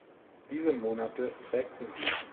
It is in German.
Diese Monate prägten sie.